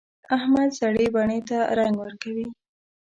احمد زړې بنۍ ته رنګ ورکوي.